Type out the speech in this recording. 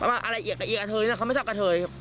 อะไรเอียกกระเทยนะเขาไม่ชอบกระเทย